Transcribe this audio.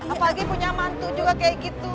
apalagi punya mantu juga kayak gitu